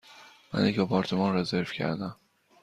من یک آپارتمان رزرو کردم.